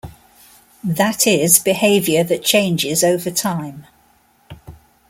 That is, behavior that changes over time.